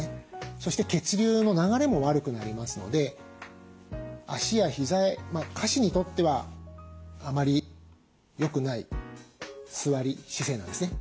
そして血流の流れも悪くなりますので脚や膝へ下肢にとってはあまり良くない座り姿勢なんですね。